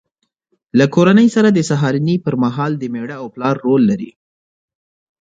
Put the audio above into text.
له کورنۍ سره د سهارنۍ پر مهال د مېړه او پلار رول لري.